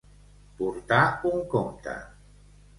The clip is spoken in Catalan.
Portar un compte.